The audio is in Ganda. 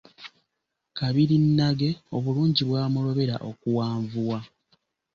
Kabirinnage obulungi bwamulobera okuwanvuwa!